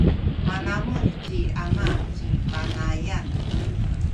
manamuh ci ama ci Panayan.